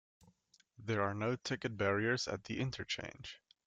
There are no ticket barriers at the interchange.